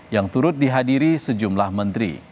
yang turut dihadiri sejumlah menteri